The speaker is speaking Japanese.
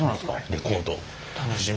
レコード楽しみ。